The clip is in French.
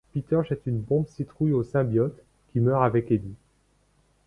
Peter jette une bombe-citrouille au symbiote, qui meurt avec Eddie.